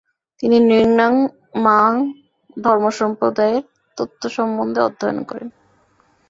তিনি র্ন্যিং-মা ধর্মসম্প্রদায়ের তন্ত্র সম্বন্ধে অধ্যয়ন করেন।